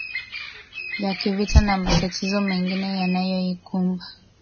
ya kivita na matatizo mengine yanaoikumba